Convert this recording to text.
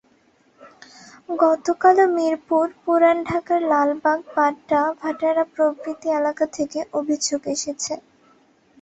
গতকালও মিরপুর, পুরান ঢাকার লালবাগ, বাড্ডা, ভাটারা প্রভৃতি এলাকা থেকে অভিযোগ এসেছে।